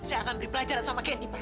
saya akan beri pelajaran sama kendi pak